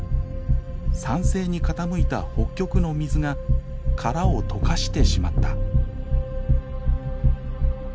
酸性に傾いた北極の水が殻を溶かしてしまった。